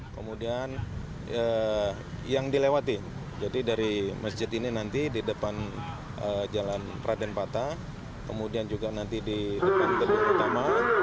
kemudian yang dilewati jadi dari masjid ini nanti di depan jalan praden pata kemudian juga nanti di depan gedung utama